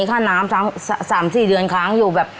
ค่าน้ำ๓๔เดือนค้างอยู่แบบ